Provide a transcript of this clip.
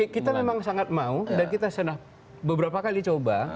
kita memang sangat mau dan kita sudah beberapa kali coba